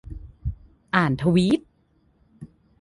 อ่านทวีต